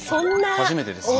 初めてですよね？